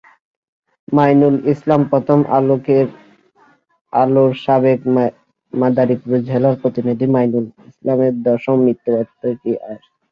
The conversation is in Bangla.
মঈনুল ইসলামপ্রথম আলোর সাবেক মাদারীপুর জেলা প্রতিনিধি মঈনুল ইসলামের দশম মৃত্যুবার্ষিকী আজ।